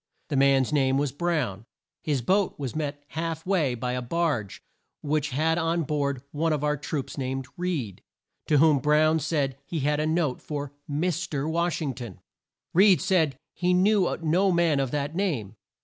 The man's name was Brown. His boat was met half way by a barge which had on board one of our troops, named Reed, to whom Brown said he had a note for Mis ter Wash ing ton. Reed said that he knew no man of that name.